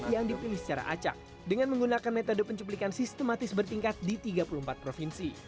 yang dipilih secara acak dengan menggunakan metode pencuplikan sistematis bertingkat di tiga puluh empat provinsi